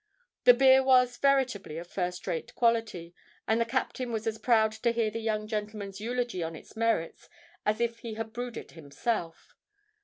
The beer was veritably of first rate quality; and the captain was as proud to hear the young gentleman's eulogy on its merits, as if he had brewed it himself.